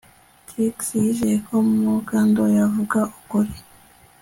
Trix yizeye ko Mukandoli avuga ukuri